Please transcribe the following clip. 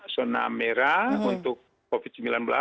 zona merah untuk covid sembilan belas